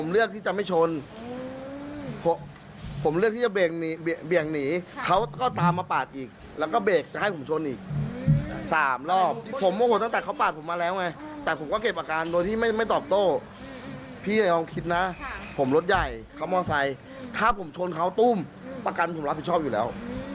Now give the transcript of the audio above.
รถใหญ่เขามอเตอร์ไซต์ถ้าผมชนเขาตุ้มประกันผมรับผิดชอบอยู่แล้ว